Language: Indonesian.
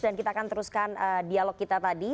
dan kita akan teruskan dialog kita tadi